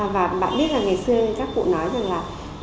và bạn biết là ngày xưa thì các cụ nói rằng là